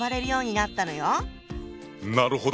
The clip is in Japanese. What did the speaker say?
なるほど！